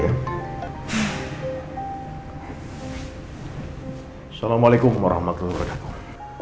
assalamualaikum warahmatullahi wabarakatuh